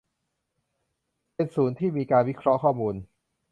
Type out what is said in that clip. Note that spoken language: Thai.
เป็นศูนย์ที่มีการวิเคราะห์ข้อมูล